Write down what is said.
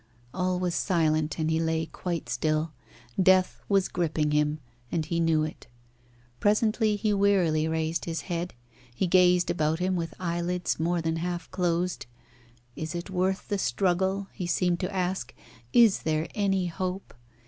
All was silent, and he lay quite still. Death was gripping him, and he knew it. Presently he wearily raised his head. He gazed about him with eyelids more than half closed. "Is it worth the struggle?" he seemed to ask; "is there any hope?"